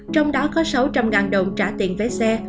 trong đó có sáu trăm linh đồng trả tiền vé xe